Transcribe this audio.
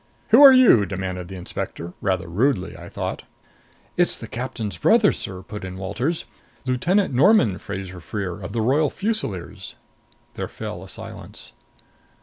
"Who are you?" demanded the inspector rather rudely, I thought. "It's the captain's brother, sir," put in Walters. "Lieutenant Norman Fraser Freer, of the Royal Fusiliers." There fell a silence.